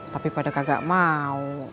tapi pada kagak mau